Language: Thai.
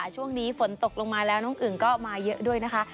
ช่วงนี้ฝนตกลงมาแล้วน้องอึ่งก็มาเยอะด้วยนะคะ